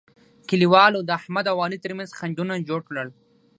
کلیوالو د احمد او علي ترمنځ خنډونه جوړ کړل.